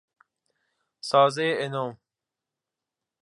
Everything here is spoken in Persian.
سازهی n ام